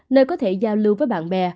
nơi có thể giao lưu với bạn bè